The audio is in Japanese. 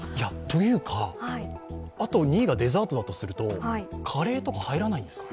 というか、あと２位がデザートだとするとカレーとか入らないんですか？